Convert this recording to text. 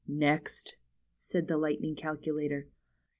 Next," said the Lightning Calculator.